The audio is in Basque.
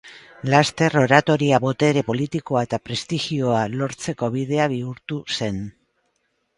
Laster oratoria botere politikoa eta prestigioa lortzeko bidea bihurtu zen.